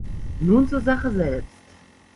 Nun zur Sache selbst.